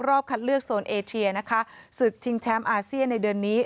รอบคัดเลือกโซนเอเทียสุดชิงแชมป์อาเซียนในเดือนนี้